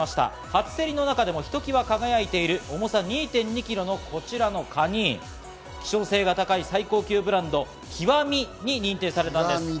初競りの中でもひときわ輝いている重さ２．２キロのこちらのカニ、希少性が高い最高級ブランド「極」に認定されたんです。